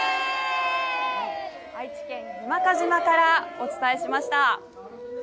愛知県日間賀島からお伝えしました。